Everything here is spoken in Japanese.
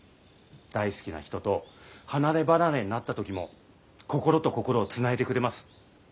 大好きな人と離れ離れになった時も心と心をつないでくれます。